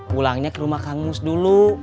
pulangnya ke rumah kang mus dulu